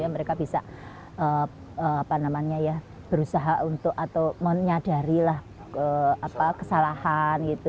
mereka bisa berusaha untuk menyadari kesalahan